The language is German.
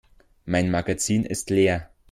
Mein Magazin ist leer.